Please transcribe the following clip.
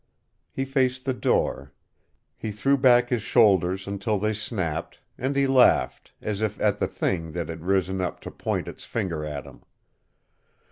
He faced the door. He threw back his shoulders until they snapped, and he laughed, as if at the thing that had risen up to point its finger at him.